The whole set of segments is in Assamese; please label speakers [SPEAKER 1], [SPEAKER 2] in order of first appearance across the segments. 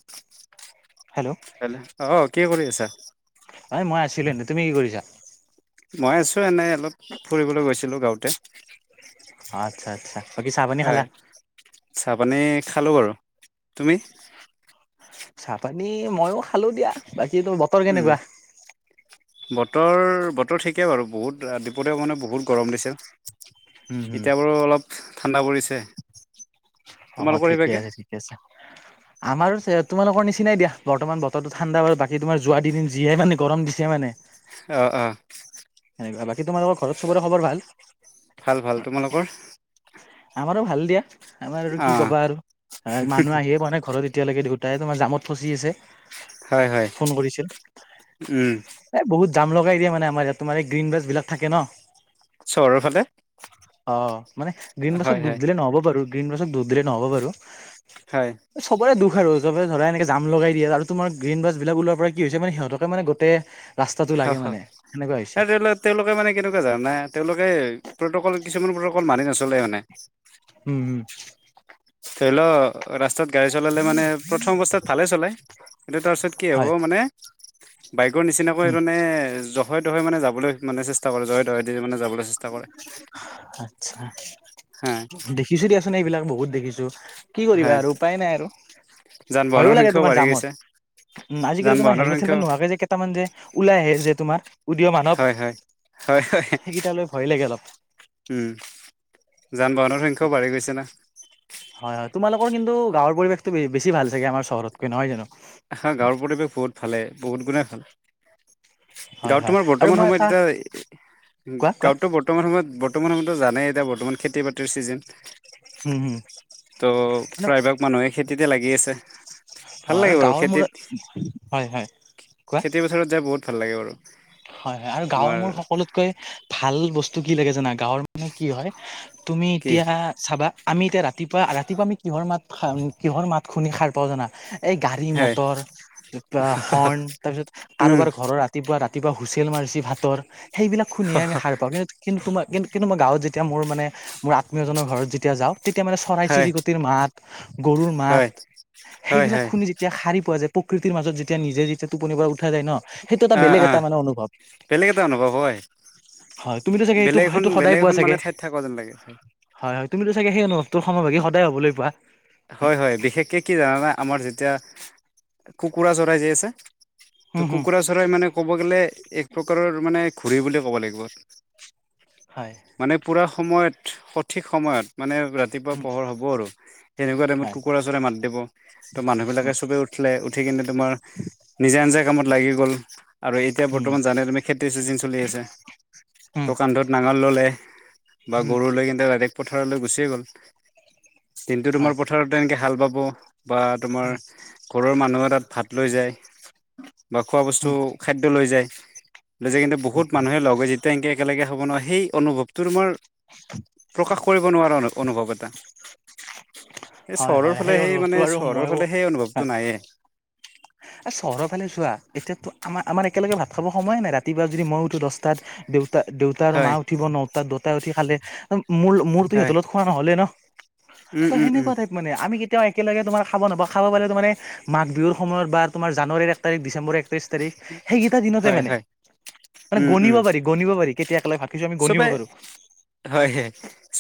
[SPEAKER 1] [inaudible]
[SPEAKER 2] হেল্ল'!
[SPEAKER 1] অ', কি কৰি আছা?
[SPEAKER 2] ঐ, মই আছিলোঁ এনে, তুমি কি কৰিছা?
[SPEAKER 1] মই আছোঁ এনেই অলপ, ফুৰিবলৈ গৈছিলোঁ গাওঁতে।
[SPEAKER 2] আটচ্ছা, আটচ্ছা। বাকী চাহ পানী খালা?
[SPEAKER 1] চাহ পানী খালোঁ বাৰু। তুমি?
[SPEAKER 2] চাহ পানী ময়ো খালোঁ দিয়া, বাকী তোৰ বতৰ
[SPEAKER 1] উম।
[SPEAKER 2] কেনেকুৱা
[SPEAKER 1] বতৰ, বতৰ ঠিকেই বাৰু। বহুত ৰাতিপুৱাতে মানে বহুত গৰম দিছে।
[SPEAKER 2] উম হুম
[SPEAKER 1] এতিয়া বাৰু অলপ ঠাণ্ডা পৰিছে।
[SPEAKER 2] অ',
[SPEAKER 1] তোমালোকৰ
[SPEAKER 2] ঠিকে
[SPEAKER 1] সেইভাগে
[SPEAKER 2] আছে, ঠিকে আছে। আমাৰো তোমালোকৰ নিচিনাই দিয়া, বৰ্তমান বতৰটো ঠাণ্ডা বা বাকী তোমাৰ যোৱা দুদিন যিয়ে মানে গৰম দিছে মানে।
[SPEAKER 1] অ', অ'।
[SPEAKER 2] সেনেকুৱা। বাকী তোমালোকৰ ঘৰত চবৰে খবৰ ভাল?
[SPEAKER 1] ভাল, ভাল তোমালোকৰ?
[SPEAKER 2] আমাৰো ভাল দিয়া। আমাৰ আৰু
[SPEAKER 1] অ
[SPEAKER 2] কি ক'বা আৰু। মানুহ আহিয়ে পোৱা নাই ঘৰত এতিয়ালৈকে দি তাই তোমাৰ জামত ফচি আছে,
[SPEAKER 1] হয় হয়
[SPEAKER 2] ফোন কৰিছিল।
[SPEAKER 1] উম
[SPEAKER 2] এই বহুত জাম লগাই দিয়ে মানে আমাৰ ইয়াত, তোমাৰ এই গ্ৰীণ বাছবিলাক থাকে ন'।
[SPEAKER 1] চহৰৰ ফালে?
[SPEAKER 2] অ', মানে গ্ৰীণ বাছক
[SPEAKER 1] হয়
[SPEAKER 2] দোষ
[SPEAKER 1] হয়
[SPEAKER 2] দিলে নহ'ব বাৰু, গ্ৰীণ বাছক দোষ দিলে নহ'ব বাৰু।
[SPEAKER 1] হয়।
[SPEAKER 2] চবৰে দোষ আৰু। [unintelligible] ধৰা এনেকে জাম লগাই দিয়ে আৰু তোমাৰ গ্ৰীণ বাছবিলাক ওলোৱাৰ পৰা কি হৈছে মানে, সিহঁতকে মানে গোটেই ৰাস্তাটো লাগে
[SPEAKER 1] হা' হা'
[SPEAKER 2] মানে সেনেকুৱা হৈছে
[SPEAKER 1] [unintelligible] তেওঁলোকে মানে কেনেকুৱা জানা, তেওঁলোকে প্ৰট'কল কিছুমান প্ৰট'কল মানি ন'চলে মানে।
[SPEAKER 2] উম।
[SPEAKER 1] ধৰি ল' ৰাস্তাত গাড়ী চলালে মানে প্ৰথম অৱস্থাত ভালে চলাই, কিন্তু তাৰপিছত কি হ'ব
[SPEAKER 2] হয়
[SPEAKER 1] মানে বাইকৰ নিচিনাকৈ
[SPEAKER 2] উম
[SPEAKER 1] মানে জহাই তহাই মানে যাবলৈ মানে চেষ্টা কৰে, জহাই তহাই মানে যাবলে
[SPEAKER 2] আটচ্ছা,
[SPEAKER 1] হা
[SPEAKER 2] দে দেখিছোঁ দিয়াচোন এইবিলাক বহুত দেখিছোঁ। কি কৰিবা
[SPEAKER 1] হয়
[SPEAKER 2] আৰু উপাই নাই আৰু।
[SPEAKER 1] যান
[SPEAKER 2] ভয়ো
[SPEAKER 1] বাহনৰ
[SPEAKER 2] লাগে
[SPEAKER 1] সংখ্যাও
[SPEAKER 2] তোমাৰ
[SPEAKER 1] বাঢ়ি
[SPEAKER 2] জামত।
[SPEAKER 1] গৈছে
[SPEAKER 2] উম, আজিকালি
[SPEAKER 1] যান
[SPEAKER 2] তোমাৰ
[SPEAKER 1] বাহনৰ
[SPEAKER 2] হেলমেট চেলমেট
[SPEAKER 1] সংখ্যাও
[SPEAKER 2] নোহোৱাকে যে কেইটামান যে ওলাই আহে যে তোমাৰ উদিয় মানৱ
[SPEAKER 1] হয় হয়। হয় হয়
[SPEAKER 2] সেইকেইটালৈ ভয় লাগে অলপ।
[SPEAKER 1] উম যান বাহনৰ সংখ্যাও বাঢ়ি গৈছে না।
[SPEAKER 2] হয় হয় তোমালোকৰ কিন্তু গাঁৱৰ পৰিৱেশটো বেছি ভাল চাগে আমাৰ চহৰতকৈ নহয় জানো।
[SPEAKER 1] হয় গাঁৱৰ পৰিৱেশ বহুত ভালেই বহুত গুণেই ভাল।
[SPEAKER 2] হয়
[SPEAKER 1] গাঁৱত
[SPEAKER 2] হয়
[SPEAKER 1] তোমাৰ
[SPEAKER 2] আৰু
[SPEAKER 1] বৰ্তমান
[SPEAKER 2] মই এটা
[SPEAKER 1] সময়ত এতিয়া
[SPEAKER 2] কোৱা কোৱা
[SPEAKER 1] গাঁৱতটো ব বৰ্তমান সময়ত বৰ্তমান সময়তো জানেই এতিয়া বৰ্তমান খেতি বাতিৰ চিজেন
[SPEAKER 2] উম উম
[SPEAKER 1] ত, '
[SPEAKER 2] মানে
[SPEAKER 1] প্ৰায়ভাগ মানুহে খেতিতে লাগি আছে। ভাল
[SPEAKER 2] অ আৰু
[SPEAKER 1] লাগে বাৰু
[SPEAKER 2] গাঁৱৰ
[SPEAKER 1] খেতিত
[SPEAKER 2] মূৰত হয় হয় কোৱা
[SPEAKER 1] ওচৰত যাই বহুত ভাল লাগে বাৰু।
[SPEAKER 2] হয় হয় আৰু গাঁৱৰ
[SPEAKER 1] তোমাৰ
[SPEAKER 2] মোৰ সকলোতকৈ ভাল বস্তু কি লাগে জানা গাঁৱৰ মানে কি হয় তুমি
[SPEAKER 1] কি
[SPEAKER 2] এতিয়া চাবা আমি এতিয়া ৰাতিপুৱা ৰাতিপুৱা আমি কিহৰ মাত কিহৰ মাত শুনি সাৰ পাও জানা। এই গাড়ী
[SPEAKER 1] হয়
[SPEAKER 2] মটৰ বা হৰ্ণ তাৰপিছত
[SPEAKER 1] উম
[SPEAKER 2] কাৰোবাৰ ঘৰৰ ৰাতিপুৱা ৰাতি ৰাতিপুৱা হুইচেল মাৰিছি ভাতৰ সেইবিলাক শুনিয়েই আমি সাৰ পাওঁ কিন্তু কিন্তু তোমাৰ কিন্তু কিন্তু মই গাঁৱত যেতিয়া মোৰ মানে মোৰ আত্মীয়জনৰ ঘৰত যেতিয়া যাওঁ তেতিয়া মানে চৰাই
[SPEAKER 1] হয়
[SPEAKER 2] চিৰিকটিৰ মাত গৰুৰ মাত
[SPEAKER 1] হয় হয় হয়
[SPEAKER 2] সেইবিলাক শুনি যি যেতিয়া সাৰি পোৱা যায় প্ৰকৃতিৰ মাজত যেতিয়া নিজে যেতিয়া টোপনিৰ পৰা উঠা যায় ন সেইটো এটা বেলেগ
[SPEAKER 1] আ
[SPEAKER 2] এটা মানে অনুভৱ
[SPEAKER 1] বেলেগ এটা অনুভৱ হয়।
[SPEAKER 2] হয় তুমিতো চাগে এইটো
[SPEAKER 1] বেলেগ এখন
[SPEAKER 2] সেইটো সদায়
[SPEAKER 1] বেলেগ
[SPEAKER 2] পোৱা
[SPEAKER 1] এখন মানে
[SPEAKER 2] চাগে
[SPEAKER 1] ঠাইত থাকো যেন লাগে।
[SPEAKER 2] হয় হয় তুমিতো চাগে সেই অনুভৱটোৰ সমভাগী সদায় হ'বলৈ পোৱা।
[SPEAKER 1] হয় হয় বিশেষকে কি জানানা আমাৰ যেতিয়া কুকুৰা চৰাই যি আছে ত'
[SPEAKER 2] উম হম
[SPEAKER 1] কুকুৰা চৰাই মানে ক'ব গ'লে এক প্ৰকাৰৰ মানে ঘড়ী বুলিয়ে ক'ব লাগিব।
[SPEAKER 2] হয়।
[SPEAKER 1] মানে পুৰা সময়ত সঠিক সময়ত মানে ৰাতিপুৱা
[SPEAKER 2] উম
[SPEAKER 1] পোহৰ হ'ব আৰু। সেনেকুৱা টাইমত
[SPEAKER 2] হয়
[SPEAKER 1] কুকুৰা ওচৰে মাত দিব ত'
[SPEAKER 2] উম
[SPEAKER 1] মানুহবিলাকে চবে উঠিলে উঠি কিনে তোমাৰ নিজা নিজা কামত লাগি গ'ল আৰু এতিয়া
[SPEAKER 2] উম
[SPEAKER 1] বৰ্তমান জানে তুমি খেতি চিজিন চলি আছে।
[SPEAKER 2] উম
[SPEAKER 1] ত' কান্ধত নাঙল ল'লে বা
[SPEAKER 2] উম
[SPEAKER 1] গৰু লৈ কিন্তু ডাইৰেক্ট পথাৰলৈ গুচিয়ে গ'ল। টো তোমাৰ
[SPEAKER 2] হয়
[SPEAKER 1] পথাৰত তেনেকে হাল বাব বা তোমাৰ
[SPEAKER 2] উম
[SPEAKER 1] ঘৰৰ মানুহে তাত ভাত লৈ যায় বা খোৱা বস্তু
[SPEAKER 2] উম
[SPEAKER 1] খাদ্য লৈ যায়। লৈ যায় কিন্তু
[SPEAKER 2] উম
[SPEAKER 1] বহুত মানুহে লগে যেতিয়া এনেকে একেলগে হ'ব নোৱাৰে সেই অনুভৱটো তোমাৰ প্ৰকাশ কৰিব নোৱাৰা অনুভৱ এটা। এই
[SPEAKER 2] হয়
[SPEAKER 1] চহৰৰ
[SPEAKER 2] হয়
[SPEAKER 1] ফালে সেই
[SPEAKER 2] অনুভৱটো
[SPEAKER 1] মানে
[SPEAKER 2] আৰু
[SPEAKER 1] চহৰৰ
[SPEAKER 2] মইও
[SPEAKER 1] ফালে সেই অনুভৱটো নাইয়েই।
[SPEAKER 2] আৰু চহৰৰ ফালে যোৱা এতিয়াতো আমাৰ আমাৰ একেলগে ভাত খাব সময়ে নাই ৰাতিপুৱা যদি মইয় উঠো দহটাত দেউতা দেউতা আৰু মা
[SPEAKER 1] হয়
[SPEAKER 2] উঠিব ন তাত দেউতাই উঠি খালে মোৰ মোৰতো
[SPEAKER 1] হয়
[SPEAKER 2] সিহঁতৰ খোৱা নহলে ন। ত
[SPEAKER 1] উম উম উম
[SPEAKER 2] সেনেকুৱা ঠাইপ মানে আমি কেতিয়াও একেলগে তোমাৰ খাব নাপাওঁ খাব পালে ত মানে মাঘ বিহুৰ সময়ত বা তোমাৰ জানুৱাৰীৰ এক তাৰিখ ডিচেম্বৰ একত্ৰিছ তাৰিখ সেইকেইটা দিনতে
[SPEAKER 1] হয়
[SPEAKER 2] মানে
[SPEAKER 1] হয়
[SPEAKER 2] মানে
[SPEAKER 1] উম উম
[SPEAKER 2] গণিব পাৰি গণিব পাৰি কেতিয়া একেলগে ভাত খাইছো আমি গণিব
[SPEAKER 1] চবে
[SPEAKER 2] পাৰো।
[SPEAKER 1] হয় হয়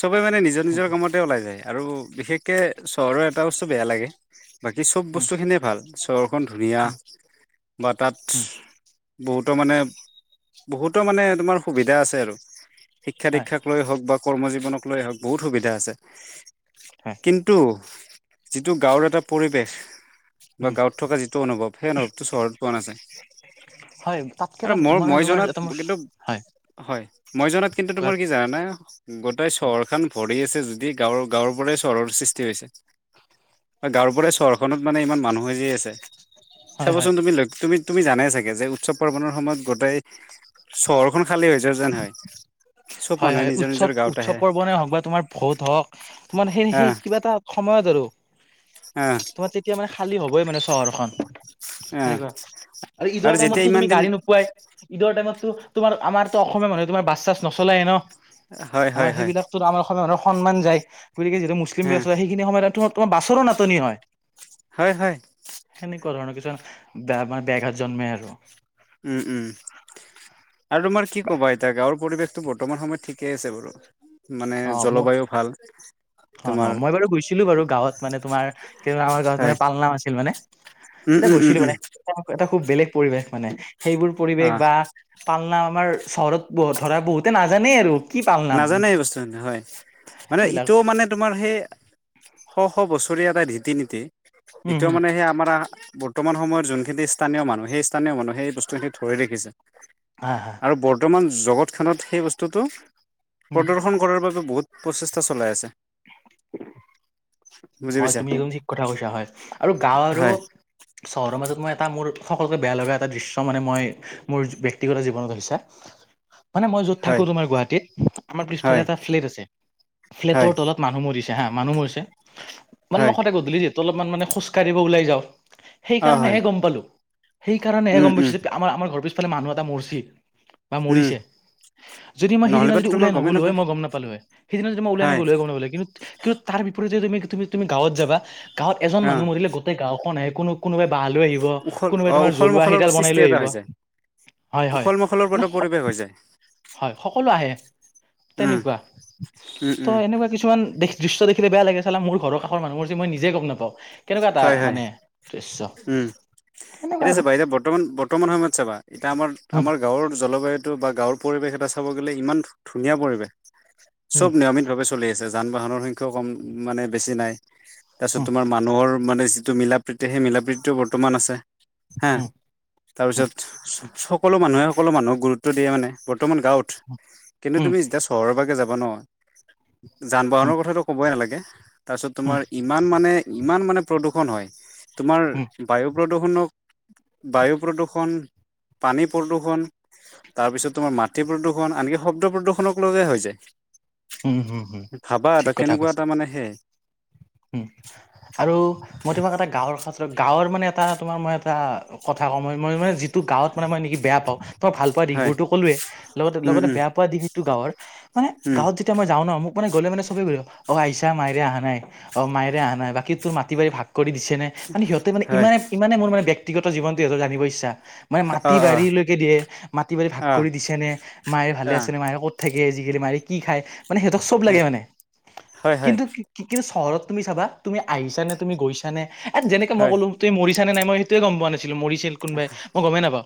[SPEAKER 1] চবে মানে নিজৰ নিজৰ
[SPEAKER 2] সেইটো
[SPEAKER 1] কামত। ওলাই যায় আৰু বিশেষকে চহৰৰ এটা বস্তু বেয়া লাগে বাকী চব
[SPEAKER 2] উম
[SPEAKER 1] বস্তু খিনিয়ে ভাল চহৰখন ধুনীয়া।
[SPEAKER 2] উম
[SPEAKER 1] বা তাত
[SPEAKER 2] উম
[SPEAKER 1] বহুতো মানে বহুতো মানে তোমাৰ সুবিধা আছে আৰু। শিক্ষা
[SPEAKER 2] হয়
[SPEAKER 1] দীক্ষাক লৈ হওঁক বা কৰ্ম জীৱনক লৈ হওঁক বহুত সুবিধা আছে।
[SPEAKER 2] হয়।
[SPEAKER 1] কিন্তু যিটো গাঁৱৰ এটা পৰিৱেশ বা
[SPEAKER 2] উম
[SPEAKER 1] গাঁৱত থকা যিটো অনুভৱ সেই অনুভৱটো চহৰত পোৱা
[SPEAKER 2] হয় তাতকে
[SPEAKER 1] নাযায়
[SPEAKER 2] এটা
[SPEAKER 1] আৰু
[SPEAKER 2] মই
[SPEAKER 1] মই-মই
[SPEAKER 2] তোমাৰ এটা
[SPEAKER 1] জনাত
[SPEAKER 2] মোৰ
[SPEAKER 1] কিন্তু
[SPEAKER 2] হয়
[SPEAKER 1] হয়, মই জনাত কিন্তু
[SPEAKER 2] কোৱা
[SPEAKER 1] তোমাৰ কি জানানে! গোটেই চহৰখন ভৰি আছে যদি গাঁৱৰ গাঁৱৰ পৰাই চহৰৰ সৃষ্টি হৈছে। গাঁৱৰ পৰা চহৰখনত মানে ইমান মানুহে যি আছে।
[SPEAKER 2] হয় হয়
[SPEAKER 1] চাবচোন তুমি ল তুমি তুমি জানাই চাগে যে উৎসৱ পাৰ্ৱনৰৰ সময়ত গোটেই চহৰখন খালী হৈ যোৱা যেন হয় চব মানুহে নিজৰ নিজৰ গাঁৱত আহে।
[SPEAKER 2] হওঁক বা তোমাৰ ভোট হওঁক তোমাৰ সেই সেই কিবা এটা সময়ত আৰু।
[SPEAKER 1] অ'।
[SPEAKER 2] তেতিয়া খালী হ'ব মানে চহৰখন
[SPEAKER 1] আহ
[SPEAKER 2] সেনেকুৱা আৰু ঈদৰ টাইমত
[SPEAKER 1] যেতিয়া ইমান
[SPEAKER 2] তুমি
[SPEAKER 1] দিন
[SPEAKER 2] গাড়ী নো পোৱাই ঈদৰ টাইমতো তোমাৰ আমাৰটো অসমীয়া মানুহে তোমাৰ বাছ চাছ নচলায়ে নহ!
[SPEAKER 1] হয় হয়
[SPEAKER 2] আমাৰ
[SPEAKER 1] হয়
[SPEAKER 2] সেইবিলাকতো আমাৰ অসমীয়া মানুহৰ সন্মান যায় গতিকে যিহেতু মুছলিম
[SPEAKER 1] হা
[SPEAKER 2] ব্যস্ত হয় সেইখিনি সময়ত তোমাৰ বাছৰৌ নাটনি হয়।
[SPEAKER 1] হয়, হয়।
[SPEAKER 2] সেনেকুৱা ধৰণৰ কিছুমান বেয়া মানে ব্যাঘাত জন্মে আৰু।
[SPEAKER 1] উম, উম। আৰু তোমাৰ কি কবা এতিয়া গাৱঁৰ পৰিৱেশটো বৰ্তমান সময়ত ঠিকেই আছে বাৰু। এ
[SPEAKER 2] অ মোৰ
[SPEAKER 1] জলবায়ুও ভাল।
[SPEAKER 2] অ',
[SPEAKER 1] তোমাৰ
[SPEAKER 2] হয় মই বাৰু গৈছিলো বাৰু গাঁৱত মানে তোমাৰ কিবা গাৱঁত
[SPEAKER 1] হয়
[SPEAKER 2] মানে পালনাম আছিল মানে।
[SPEAKER 1] উম,
[SPEAKER 2] তেতিয়া
[SPEAKER 1] উম, উম,
[SPEAKER 2] গৈছিলো
[SPEAKER 1] উম।
[SPEAKER 2] মানে এটা খুব বেলেগ পৰিৱেশ মানে সেইবোৰ
[SPEAKER 1] অ
[SPEAKER 2] পৰিৱেশ বা পালনাম আমাৰ চহৰত ধৰা বহুতে নাজানেই আৰু। কি পালনাম
[SPEAKER 1] নাজানে এই বস্তুখিনি হয় মানে
[SPEAKER 2] সেইবিলাক
[SPEAKER 1] ইটোও মানে তোমাৰ সেই শ শ বছৰীয়া এটা ৰীতি নীতি।
[SPEAKER 2] উম
[SPEAKER 1] এতিয়াও
[SPEAKER 2] হম
[SPEAKER 1] মানে সেই আমাৰ বৰ্তমান সময়ত যোনখিনি স্থানীয় মানুহ সেই স্থানীয় মানুহখিনিয়ে এই বস্তুখিনি ধৰি ৰাখিছে।
[SPEAKER 2] হা, হা।
[SPEAKER 1] আৰু বৰ্তমান জগতখনত সেই বস্তুটো
[SPEAKER 2] উম
[SPEAKER 1] প্ৰদৰ্শন কৰাৰ বাবে বহুত প্ৰচেষ্টা চলাই আছে। বুজি
[SPEAKER 2] হয়,
[SPEAKER 1] পাইছা
[SPEAKER 2] তুমি একদম ঠিক কথা কৈছা হয়, আৰু গাওঁ আৰু
[SPEAKER 1] হয়
[SPEAKER 2] চহৰৰ মাজত মই এটা মোৰ সকলোকে বেয়া লগা এটা দৃশ্য মানে মই মোৰ ব্যক্তিগত জীৱনত হৈছে। মানে মই য'ত
[SPEAKER 1] হয়
[SPEAKER 2] থাকো তোমাৰ গুৱাহাটীত আমাৰ পিছফালে
[SPEAKER 1] হয়
[SPEAKER 2] এটা ফ্লেট আছে।
[SPEAKER 1] হয়
[SPEAKER 2] ফ্লেটৰ তলত মানুহ মৰিছে হা মানুহ মৰিছে। মানে মই
[SPEAKER 1] হয়
[SPEAKER 2] সদায় গধূলি যিহেতু অলপমান মানে খোজকাঢ়িব ওলাই যাওঁ,
[SPEAKER 1] অ হয়
[SPEAKER 2] সেইকাৰণেহে গম পালো। সেইকাৰণে
[SPEAKER 1] উম
[SPEAKER 2] গম
[SPEAKER 1] উম
[SPEAKER 2] পাইছো যে আমাৰ আমাৰ ঘৰ পিছফালে মানুহ এটা মৰছি বা
[SPEAKER 1] উম,
[SPEAKER 2] মৰিছে। যদি মই সিদিনা
[SPEAKER 1] নহ'লেবাতো
[SPEAKER 2] যদি
[SPEAKER 1] তোমাৰ
[SPEAKER 2] উলাই
[SPEAKER 1] গমেই
[SPEAKER 2] নগ'লো হয়
[SPEAKER 1] নাপায়
[SPEAKER 2] মই গম নাপালো হয় সেইদিনা যদি মই ওলাই নগ'লোঁ হয় গম নাপালো হয়। কিন্তু কিন্তু তাৰ বিপৰীতে তুমি তুমি তুমি গাঁৱত যাবা গাঁৱত এজন মানুহ
[SPEAKER 1] অ',
[SPEAKER 2] মৰিলে গো গোটেই গাঁওখন আহে কোনো কোনোবাই বাঁহ লৈ আহিব
[SPEAKER 1] উখল
[SPEAKER 2] কোনোবাই
[SPEAKER 1] অ',
[SPEAKER 2] তোমাৰ
[SPEAKER 1] উখল
[SPEAKER 2] জ্বলোৱা
[SPEAKER 1] মাখলৰ
[SPEAKER 2] সেইডাল বনাই
[SPEAKER 1] সৃষ্টি
[SPEAKER 2] লৈ
[SPEAKER 1] এটা
[SPEAKER 2] আহিব।
[SPEAKER 1] হৈ যায়।
[SPEAKER 2] হয়, হয়,
[SPEAKER 1] উখল মাখলৰ
[SPEAKER 2] মানে
[SPEAKER 1] পৰা
[SPEAKER 2] সক
[SPEAKER 1] পৰিৱেশ হৈ যায়
[SPEAKER 2] হয় সকলো আহে।
[SPEAKER 1] উম,
[SPEAKER 2] তেনেকুৱা,
[SPEAKER 1] উম,
[SPEAKER 2] ত'
[SPEAKER 1] উম,
[SPEAKER 2] এনেকুৱা কিছুমান দৃশ্য দেখিলে বেয়া লাগে চালা মোৰ ঘৰৰ কাষৰ মানুহৰ মৰচি মই নিজে গম নাপাওঁ। কেনেকুৱা এটা
[SPEAKER 1] হয়, হয়
[SPEAKER 2] মানে দৃশ্য
[SPEAKER 1] উম,
[SPEAKER 2] সেনেকুৱা
[SPEAKER 1] এতিয়া
[SPEAKER 2] আৰু
[SPEAKER 1] চাবা বৰ্তমান বৰ্তমান সময়ত চাবা, এতিয়া আমাৰ,
[SPEAKER 2] উম
[SPEAKER 1] আমাৰ গাঁৱৰ জলবায়ুটো বা গাঁৱৰ পৰিৱেশ এটা চাব গ'লে, ইমান ধুনীয়া পৰিৱেশ।
[SPEAKER 2] উম
[SPEAKER 1] চব নিয়মিতভাৱে চলি আছে, যান-বাহনৰ সংখ্যাও কম মানে বেছি নাই। তাৰপিছত
[SPEAKER 2] উম
[SPEAKER 1] তোমাৰ মানুহৰ মানে যিটো মিলা প্ৰীতি, সেই মিলা প্ৰীতিটোও, বৰ্তমান আছে। হা,
[SPEAKER 2] উম
[SPEAKER 1] তাৰপিছত সকলো মানুহে, সকলো মানুহক গুৰুত্ব দিয়ে, মানে বৰ্তমান গাঁৱত। কিন্তু
[SPEAKER 2] উম উম
[SPEAKER 1] তুমি যেতিয়া চহৰৰ বাগে, যাবা ন যান
[SPEAKER 2] উম
[SPEAKER 1] বাহনৰ কথাটো ক'বই নালাগে, তাৰপিছত
[SPEAKER 2] উম
[SPEAKER 1] তোমাৰ ইমান মানে, ইমান মানে প্ৰদূষণ হয়, তোমাৰ
[SPEAKER 2] উম
[SPEAKER 1] বায়ু প্ৰদূৰষণক বায়ু প্ৰদূৰষণ, পানী প্ৰদূৰষণ। তাৰপিছত তোমাৰ মাটি প্ৰদূ্ষণ, আনকি শব্দ প্ৰদূষণক লৈয়ে হৈ
[SPEAKER 2] উম উম উম,
[SPEAKER 1] যায়। ভাবা
[SPEAKER 2] ঠিক
[SPEAKER 1] এটা,
[SPEAKER 2] কথা
[SPEAKER 1] কেনেকুৱা
[SPEAKER 2] কৈছা
[SPEAKER 1] এটা মানে সেই
[SPEAKER 2] উম, আৰু মই তোমাক এটা গাঁৱৰ গাঁৱৰ মানে এটা তোমাৰ মই এটা, কথা কওঁ মই, মই মানে যিটো গাঁৱত মানে, মই নেকি বেয়া পাওঁ। মই ভাল পোৱা দিশ
[SPEAKER 1] হয়
[SPEAKER 2] বোৰতো ক'লোৱে, লগতে
[SPEAKER 1] উম
[SPEAKER 2] লগতে
[SPEAKER 1] উম
[SPEAKER 2] বেয়া পোৱা দিশ সেইটো, গাঁৱৰ মানে
[SPEAKER 1] উম
[SPEAKER 2] গাঁৱত যে তিয়া মই যাওঁ ন, মোক মানে গ'লে মানে চবে সুধে অ, আহিছা মাইৰে অহা নাই? অ, মায়ৰে অহা নাই বাকী তোৰ মাটি-বাৰী ভাগ কৰি দিছে নে, মানে সিহঁতে মানে,
[SPEAKER 1] হয়
[SPEAKER 2] ইমান ইমানেই মোৰ মানে ব্যক্তি ব্যক্তিগত জীৱনটো সিহঁতৰ জানিব ইচ্ছা। মানে
[SPEAKER 1] অ অ
[SPEAKER 2] মাটি-বাৰীলৈকে দিয়ে, মাটি বাৰী ভাগ
[SPEAKER 1] অ
[SPEAKER 2] কৰি দিছেনে, মায়েৰে ভালে
[SPEAKER 1] অ
[SPEAKER 2] আছেনে, মায়েৰে ক'ত থাকে, আজি-কালি মাইৰে কি খায়, মানে সিহঁতক চব লাগে মানে
[SPEAKER 1] হয় হয়
[SPEAKER 2] কিন্তু, কিন্তু চহৰত তুমি চাবা তুমি আহিছা নে, তুমি গৈছা নে, এই, যেনেক মই
[SPEAKER 1] হয়
[SPEAKER 2] কলো তুমি মৰিছা নে, নাই মই সেটোয়ে গম পোৱা নাছিলোঁ, মৰিছিল। কোনোবাই, মই গমেই নাপাও,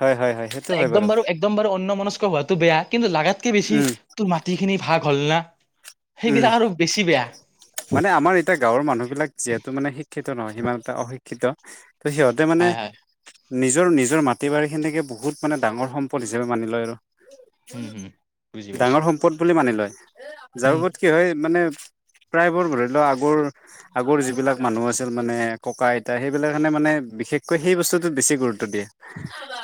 [SPEAKER 1] হয় হয় হয় সেইটো হয়
[SPEAKER 2] একদম বাৰু একদম একদম বাৰ অন্নমনস্ক হোৱাতটো বেয়া, কিন্তু লাগাতকে বেছি
[SPEAKER 1] উম
[SPEAKER 2] তোৰ মাটিখিনি ভাগ হ'ল না।
[SPEAKER 1] উম
[SPEAKER 2] সেইবিলাক আৰু বেছি বেয়া।
[SPEAKER 1] মানে আমাৰ এতিয়া গাঁৱৰ মানুহবিলাক যিহেতু মানে শিক্ষিত নহয়, ইমান এটা অশিক্ষিত শিক্ষিত, সিহঁতে মানে
[SPEAKER 2] হয় হয়
[SPEAKER 1] নিজৰ, নিজৰ মাটি বাৰীখিনিকে বহুত মানে ডাঙৰ সম্পদ হিচাপে মানি লয় আৰু।
[SPEAKER 2] উম হুম বুজি পাইছো
[SPEAKER 1] ডাঙৰ সম্পদ বুলি মানি লয়, যাৰ
[SPEAKER 2] উম
[SPEAKER 1] ওপৰত কি হয় মানে। প্ৰায়বোৰ ধৰি লোৱা, আগৰ আগৰ যিবিলাক মানুহ আছিল, মানে ককা, আইতা সেইবিলাকখানে মানে বিশেষকৈ সেই বস্তুটোত বেছি গুৰুত্ব দিয়ে।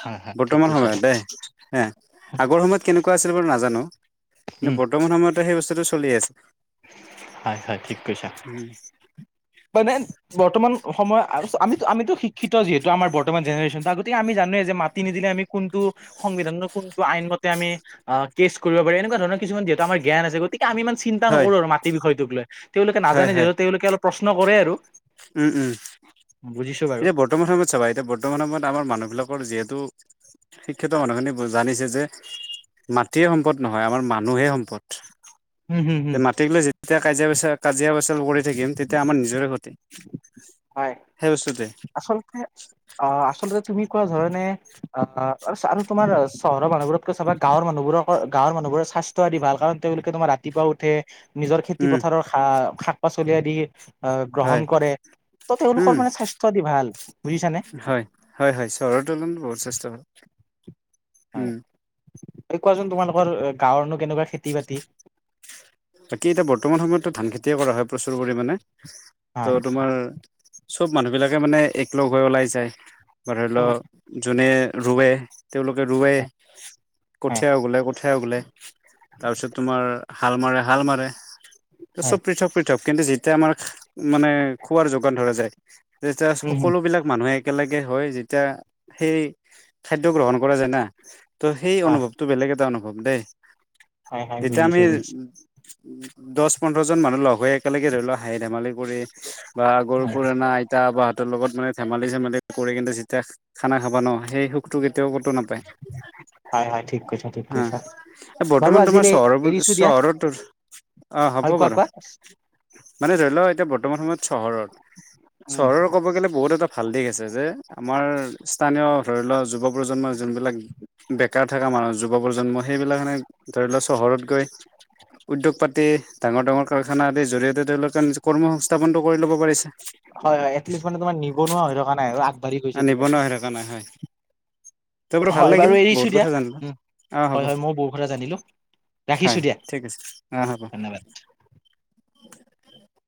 [SPEAKER 2] হয় হয় ঠিক
[SPEAKER 1] বৰ্তমান
[SPEAKER 2] কৈছা
[SPEAKER 1] সময়ত দেই হে, আগৰ সময়ত কেনেকুৱা আছিল বাৰু নাজানো। কিন্তু
[SPEAKER 2] উম
[SPEAKER 1] বৰ্তমান সময়টো, সেই বস্তুটো চলি আছে।
[SPEAKER 2] হয়, হয় ঠিক কৈছা।
[SPEAKER 1] উম
[SPEAKER 2] মানে বৰ্তমান সময়ত আৰু আমিটো- আমিটো শিক্ষিত। যিহেতু, আমাৰ বৰ্তমান জেনেৰেশনত। গতিক আমি জানো যে মাটি নিদিলে আমি কোনটো সংবিধান, কোনটো আইন মতে আমি। অ, কেছ কৰিব পাৰি। এনেকুৱ ধৰণৰ কিছুমান আমাৰ জ্ঞান আছে। গতিকে আমি ই, চিন্তা
[SPEAKER 1] হয়
[SPEAKER 2] নকৰো আৰু মাটি বিষয়টোক লৈ। তেওঁলোকে
[SPEAKER 1] হয়
[SPEAKER 2] নাজানে
[SPEAKER 1] হয়
[SPEAKER 2] যিহেতু, তেওঁলোকে অলপ প্ৰশ্ন কৰে আৰু।
[SPEAKER 1] উম, উম,
[SPEAKER 2] বুজিছো বাৰু
[SPEAKER 1] এয়া, বৰ্তমান বৰ্তমান সময়ত চাবা, এতিয়া বৰ্তমান সময়ত আমাৰ মানুহবিলাকৰ যিহেতু। শিক্ষিত মানুহখিনি, জানিছে যে। মাটিয়ে সম্পদ নহয়, আমাৰ মানুহে সম্পদ।
[SPEAKER 2] উম, হম,
[SPEAKER 1] যে
[SPEAKER 2] হম।
[SPEAKER 1] যেতিয়া কাজিয়া- পেচা, কাজিয়-পেচাল কৰি থাকিম, তেতিয়া আমাৰ নিজৰে ক্ষতি।
[SPEAKER 2] হয়,
[SPEAKER 1] সেই বস্তুটোৱে
[SPEAKER 2] আচলতে অ, আচলতে তুমি কোৱা ধৰণে অ আৰু চ আৰু তোমাৰ চহৰৰ মানুহবোৰতকৈ চাবা গাঁৱৰ মানুহবোৰৰ গাঁৱৰ মানুহবোৰ স্বাস ত আদি ভাল কাৰণ তেওঁলোকে তোমাৰ ৰাতিপুৱা উঠে নিজৰ খেতি
[SPEAKER 1] উম
[SPEAKER 2] পথাৰৰ শা শাক - পাচলি আদি আহ
[SPEAKER 1] হয়
[SPEAKER 2] গ্ৰহণ কৰে। ত
[SPEAKER 1] উম
[SPEAKER 2] তেওঁলোকৰ মানে স্বাস্থ্য পাতি ভাল, বুজিছানে?
[SPEAKER 1] হয়- হয়, চহৰৰ তুলনাত বহুত যথেষ্ঠ, উম।
[SPEAKER 2] হয় [unintelligible] কোৱাচোন তোমালোকৰ অ গাঁৱৰনো কেনেকুৱা খেতি - বাতি?
[SPEAKER 1] বাকী এতিয়া বৰ্তমান সময়তো ধান খেতিয়ে কৰা হয় প্ৰচুৰ পৰিমাণে,
[SPEAKER 2] হয়
[SPEAKER 1] ত' তোমাৰ চব মানুহবিলাকে মানে এক লগ হৈ ওলাই যায় বা ধৰি লও যোনে ৰুৱে, তেওঁলোকে ৰুৱাই
[SPEAKER 2] হয়
[SPEAKER 1] কঠীয়াও গলে কঠীয়াও গলে। তাৰ পিছত তোমাৰ হাল মাৰে হাল মাৰে, ত
[SPEAKER 2] হয়
[SPEAKER 1] চব পৃথক- পৃথক দিয়ক কিন্তু যেতিয়া আমাৰ মানে খোৱাৰ যোগান ধৰা যায় তেতিয়া
[SPEAKER 2] উম
[SPEAKER 1] সকলোবিলাক মানুহে একেলগে হয় যেতিয়া সেই খাদ্য গ্ৰহণ কৰা যায় না, ত' সেই
[SPEAKER 2] হয়
[SPEAKER 1] অনুভৱ টো বেলেগ এটা অনুভৱ দেই
[SPEAKER 2] হয় হয়
[SPEAKER 1] তেতিয়া আমি
[SPEAKER 2] বুজিছো বুজিছো
[SPEAKER 1] দছ পোন্ধৰজন মানুহ লগ হৈ একেলগে ধৰি লোৱা হাঁহি - ধেমালি কৰি বা গৰু
[SPEAKER 2] হয়
[SPEAKER 1] পুৰণা, আইতা, বাহতৰ লগত মানে ধেমেলি -চেমালি কৰি কিন্তু যেতিয়া খানা খাবা ন। সেই সুখটো কেতিয়াও কতো নাপায়।
[SPEAKER 2] হয় হয় ঠিক কৈছা ঠিক
[SPEAKER 1] হ,
[SPEAKER 2] কৈছা
[SPEAKER 1] এ
[SPEAKER 2] বাৰু
[SPEAKER 1] বৰ্তমান তোমাৰ
[SPEAKER 2] আজিলৈ
[SPEAKER 1] চহৰৰবোৰ
[SPEAKER 2] এৰিছো দিয়া
[SPEAKER 1] চহৰত অ, হ'ব
[SPEAKER 2] হয় কোৱা
[SPEAKER 1] বাৰু।
[SPEAKER 2] কোৱা
[SPEAKER 1] মানে ধৰি লও এতিয়া বৰ্তমান সময়ত চহৰত,
[SPEAKER 2] উম
[SPEAKER 1] চহৰৰ ক'ব গ'লে বহুত এটা ভাল দিশ আছে যে আমাৰ স্থানীয় ধৰি লোৱা যুৱ প্ৰজন্মৰ যোনবিলাক বেকাৰ থাকা মানুহৰ যুৱ প্ৰজন্ম সেইবিলাক কাৰনে ধৰি লওক চহৰত গৈ, উদ্যোগ পাতি, ডাঙৰ- ডাঙৰ কাৰখানা আদিৰ জৰিয়তে তেওঁলোকে নিজ কৰ্ম সংস্থাপনটো কৰি ল'ব পাৰিছে।
[SPEAKER 2] হয়- হয়, এটলিষ্ট মানে তোমাৰ নিবনুৱা হৈ থকা নাই আৰু আ
[SPEAKER 1] আ নিবনুৱা হৈ থকা নাই, হয়। তোৰ বুলো ভাল
[SPEAKER 2] হয়
[SPEAKER 1] লাগিল,
[SPEAKER 2] বাৰু এৰিছো
[SPEAKER 1] বহুত
[SPEAKER 2] দিয়া
[SPEAKER 1] কথা জানিলো,
[SPEAKER 2] উম
[SPEAKER 1] আহ হ'ব।
[SPEAKER 2] হয় হয় মইও বহুত কথা জানিলো ৰাখিছো
[SPEAKER 1] হয়,
[SPEAKER 2] দিয়া
[SPEAKER 1] ঠিক আছে অ, হ'ব।
[SPEAKER 2] ধন্যবাদ